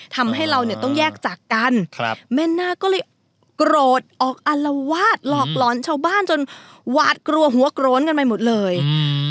ทำให้เราเนี่ยต้องแยกจากกันครับแม่นาคก็เลยโกรธออกอารวาสหลอกหลอนชาวบ้านจนหวาดกลัวหัวโกรนกันไปหมดเลยอืม